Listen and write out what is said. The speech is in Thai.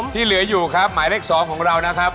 ที่เหลืออยู่ครับหมายเลข๒ของเรานะครับ